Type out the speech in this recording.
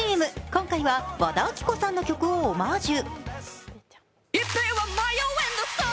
今回は和田アキ子さんの曲をオマージュ。